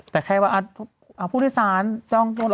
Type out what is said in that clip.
แต่แค่ว่าผู้โดยสารต้อง